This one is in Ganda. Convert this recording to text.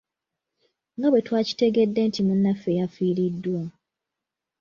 Nga bwe twakitegedde nti munaffe yafiiriddwa.